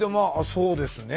そうですね。